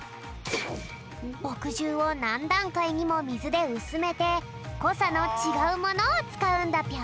ぼくじゅうをなんだんかいにもみずでうすめてこさのちがうものをつかうんだぴょん。